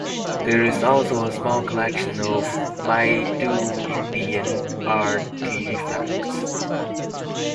There is also a small collection of Maidu Indian artifacts.